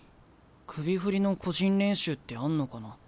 首振りの個人練習ってあんのかな？